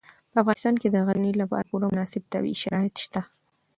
په افغانستان کې د غزني لپاره پوره مناسب طبیعي شرایط شته.